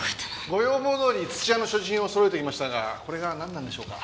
ご要望どおり土屋の所持品をそろえておきましたがこれがなんなんでしょうか？